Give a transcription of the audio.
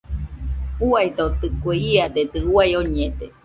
Uaidotɨkue, iadedɨ uai oñede.